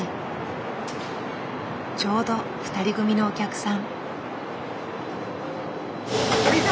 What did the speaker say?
ちょうど２人組のお客さん。